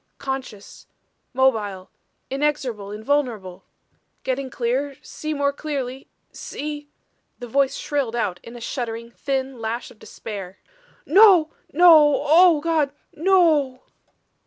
"Conscious, mobile inexorable, invulnerable. Getting clearer see more clearly see " the voice shrilled out in a shuddering, thin lash of despair "No! No oh, God no!"